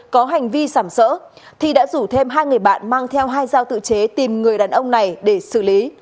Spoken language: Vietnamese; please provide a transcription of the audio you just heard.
có hành vi sảm sỡ thi đã rủ thêm hai người bạn mang theo hai dao tự chế tìm người đàn ông này để xử lý